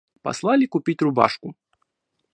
Послали купить рубашку.